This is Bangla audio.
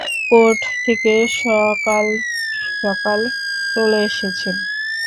কোর্ট থেকে সকাল-সকল চলে এসেছেন।